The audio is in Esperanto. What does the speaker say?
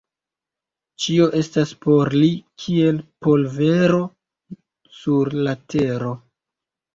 Ĉio estas por li kiel polvero sur la tero.